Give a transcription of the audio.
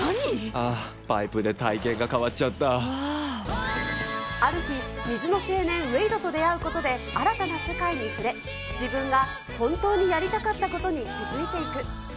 ああ、パイプで体形が変わっある日、水の青年、ウェイドと出会うことで新たな世界に触れ、自分が本当にやりたかったことに気付いていく。